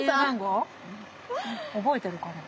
覚えてるかな。